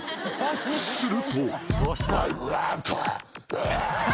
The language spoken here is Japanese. ［すると］